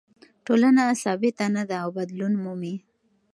ټولنه ثابته نه ده او بدلون مومي.